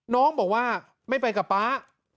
น้องบอกว่าไม่ไปกับป๊า